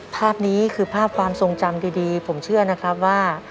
ภาพนี้คือภาพความทรงจำดีผมเชื่อนะครับว่า